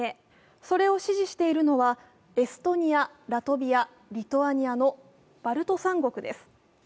それを支持しているのはエストニア、ラトビア、リトアニアのバルト三国です。